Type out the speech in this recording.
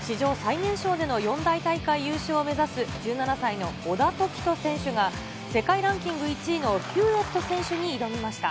史上最年少での四大大会優勝を目指す１７歳の小田凱人選手が世界ランキング１位のヒューエット選手に挑みました。